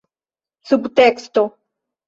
subteksto